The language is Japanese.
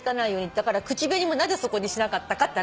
だから口紅もなぜそこでしなかったかって話今まで。